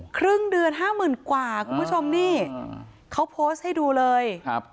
ครึ่งเดือน๕๐๐๐๐กว่าคุณผู้ชมนี่เขาโพสให้ดูเลย